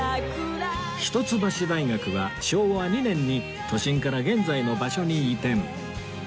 一橋大学は昭和２年に都心から現在の場所に移転